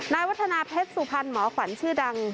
วัฒนาเพชรสุพรรณหมอขวัญชื่อดัง